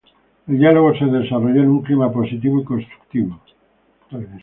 El diálogo se desarrolló en un clima positivo y constructivo.